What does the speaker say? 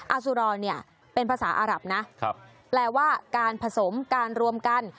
อสุรอเนี่ยเป็นภาษาอารับนะแปลว่าการผสมการรวมกัน